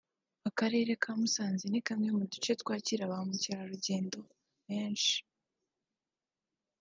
Akarere ka Musanze ni kamwe mu duce twakira ba mukerarugendo benshi